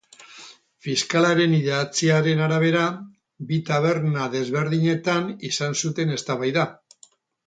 Fiskalaren idatziaren arabera, bi taberna desberdinetan izan zuten eztabaida.